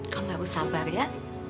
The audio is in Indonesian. kamu harus sabar ya